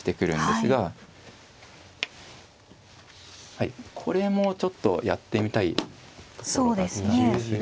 はいこれもちょっとやってみたいところだったんですが。